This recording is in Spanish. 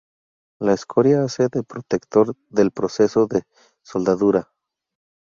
La escoria hace de protector del proceso de soldadura.